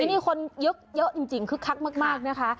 นี่คนเยอะจริงคึกคักมากนะคะ